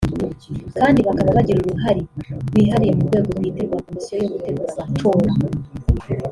kandi bakaba bagira uruhari rwihariye mu rwego bwite rwa Komisiyo yo gutegura amatora